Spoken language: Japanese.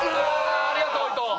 ありがとう伊藤！